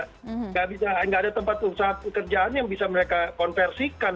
tidak ada tempat usaha pekerjaan yang bisa mereka konversikan